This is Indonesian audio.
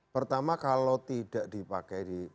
pertama kalau tidak dipake di